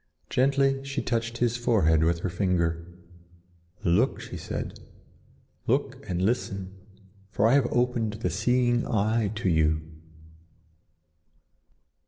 Gently she touched his forehead with her finger. "Look!" she said. "Look and listen, for I have opened the seeing eye to you."